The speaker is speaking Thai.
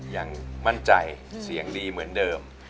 ยังมั่นใจเสียงดีเหมือนเดิม